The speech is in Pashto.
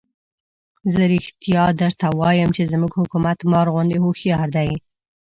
زه رښتیا درته وایم چې زموږ حکومت مار غوندې هوښیار دی.